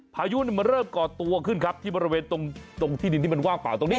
พายุมันเริ่มก่อตัวขึ้นครับที่บริเวณตรงที่ดินที่มันว่างเปล่าตรงนี้